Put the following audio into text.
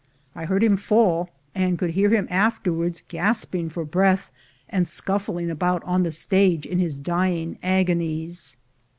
I heard him fall, and could hear him afterwards gasp ing for breath and scuffling about on the stage in his dying agonies.